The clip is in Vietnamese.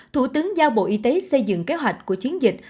thủ tướng giao bộ y tế xây dựng kế hoạch của chiến dịch